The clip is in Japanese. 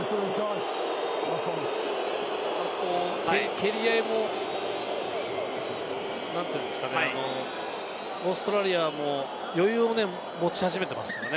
蹴り合いもオーストラリアも余裕を持ち始めていますよね。